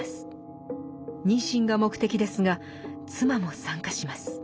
妊娠が目的ですが妻も参加します。